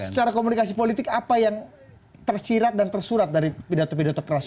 secara komunikasi politik apa yang tersirat dan tersurat dari pidato pidato pras